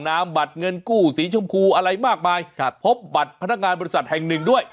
บัตรเงินกู้สีชมพูอะไรมากมายครับพบบัตรพนักงานบริษัทแห่งหนึ่งด้วย